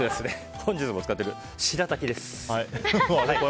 本日も使っているしらたきです。